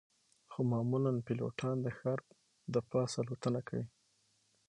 خو معمولاً پیلوټان د ښار د پاسه الوتنه کوي